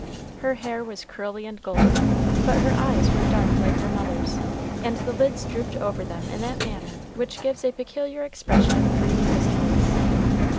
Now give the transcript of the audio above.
Her hair was curly and golden, but her eyes were dark like her mother's, and the lids drooped over them in that manner which gives a peculiar expression of dreamy wistfulness.